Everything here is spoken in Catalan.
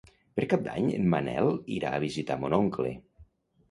Per Cap d'Any en Manel irà a visitar mon oncle.